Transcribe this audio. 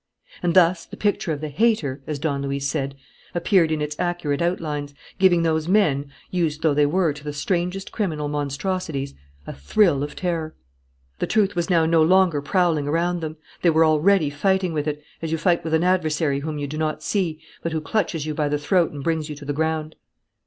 And thus the picture of the "hater," as Don Luis said, appeared in its accurate outlines, giving those men, used though they were to the strangest criminal monstrosities, a thrill of terror. The truth was now no longer prowling around them. They were already fighting with it, as you fight with an adversary whom you do not see but who clutches you by the throat and brings you to the ground.